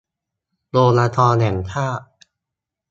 โรงละครแห่งชาติ